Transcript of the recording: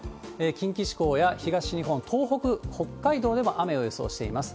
近畿地方や東日本、東北、北海道でも雨を予想しています。